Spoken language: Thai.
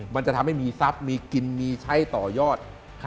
มันจะทำให้มีทรัพย์มีกินมีใช้ต่อยอด